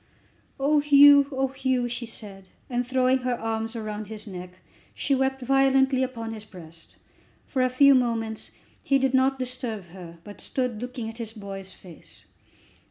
"Oh, Hugh! oh, Hugh!" she said, and, throwing her arms round his neck, she wept violently upon his breast. For a few moments he did not disturb her, but stood looking at his boy's face.